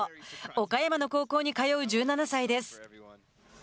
岡山の高校に通う１７歳です。